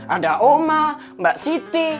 ada oma mbak siti